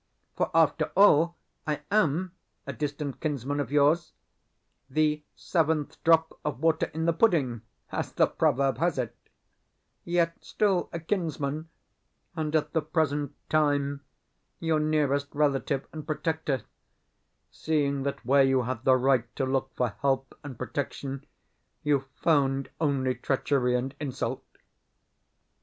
For, after all, I AM a distant kinsman of yours the seventh drop of water in the pudding, as the proverb has it yet still a kinsman, and at the present time your nearest relative and protector, seeing that where you had the right to look for help and protection, you found only treachery and insult.